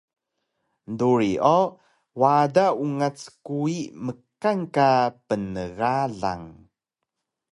duri o wada ungac kuwi mkan ka pnegalang